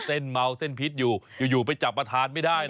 เส้นเมาเส้นพิษอยู่อยู่ไปจับมาทานไม่ได้นะ